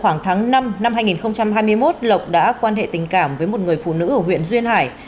khoảng tháng năm năm hai nghìn hai mươi một lộc đã quan hệ tình cảm với một người phụ nữ ở huyện duyên hải